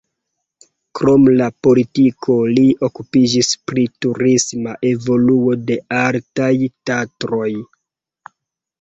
Krom la politiko li okupiĝis pri turisma evoluo de Altaj Tatroj.